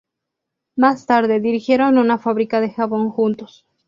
Más tarde dirigieron una fábrica de jabón juntos.